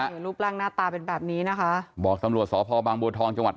เห็นนะฮะรูปร่างหน้าตาเป็นแบบนี้นะคะบอกสำรวจสอบภบางบูทองจังหวัด